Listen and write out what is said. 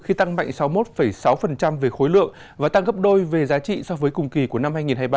khi tăng mạnh sáu mươi một sáu về khối lượng và tăng gấp đôi về giá trị so với cùng kỳ của năm hai nghìn hai mươi ba